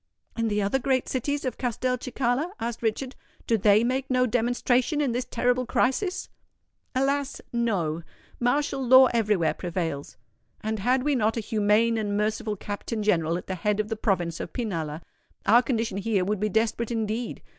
"And the other great cities of Castelcicala?" asked Richard: "do they make no demonstration in this terrible crisis?" "Alas—no! Martial law everywhere prevails; and had we not a humane and merciful Captain General at the head of the province of Pinalla, our condition here would be desperate indeed.